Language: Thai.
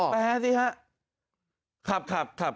แปลสิครับ